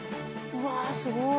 うわすごい。